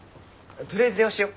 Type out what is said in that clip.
取りあえず電話しよ。